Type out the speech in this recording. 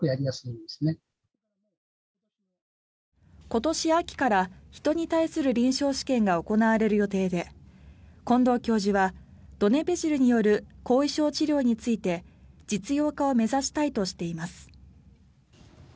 今年秋から人に対する臨床試験が行われる予定で近藤教授はドネペジルによる後遺症治療について実用化を目指したいとしています。